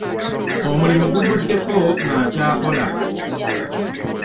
Omulimu guvuddeko nga nkyakola.